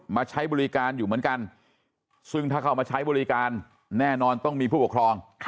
มาใช้บริการอยู่เหมือนกันซึ่งถ้าเข้ามาใช้บริการแน่นอนต้องมีผู้ปกครอง